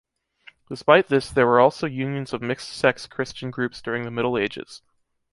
Despite this there were also unions of mixed sex christian groups during the Middle Ages.